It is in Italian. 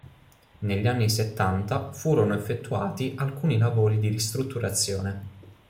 Negli anni settanta, furono effettuati alcuni lavori di ristrutturazione.